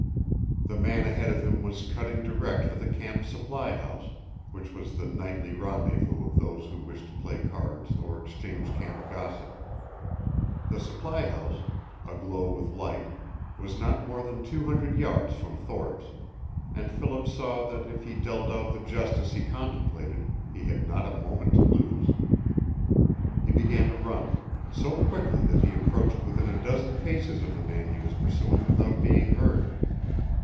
The man ahead of him was cutting direct for the camp supply house, which was the nightly rendezvous of those who wished to play cards or exchange camp gossip. The supply house, aglow with light, was not more than two hundred yards from Thorpe's, and Philip saw that if he dealt out the justice he contemplated he had not a moment to lose. He began to run, so quickly that he approached within a dozen paces of the man he was pursuing without being heard.